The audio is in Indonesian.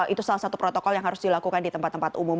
itu salah satu protokol yang harus dilakukan di tempat tempat umum